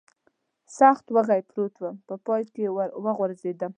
سخت وږی پروت ووم، په پای کې ور وغورځېدم.